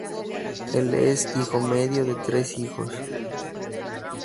Él es el hijo medio de tres hijos.